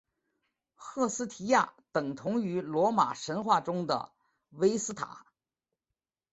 赫斯提亚等同于罗马神话中的维斯塔。